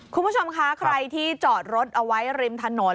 คุณผู้ชมคะใครที่จอดรถเอาไว้ริมถนน